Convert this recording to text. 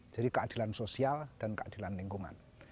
jadi keadilan sosial dan keadilan lingkungan